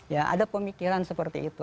ya ada pemikiran seperti itu